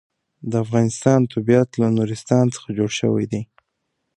د افغانستان طبیعت له نورستان څخه جوړ شوی دی.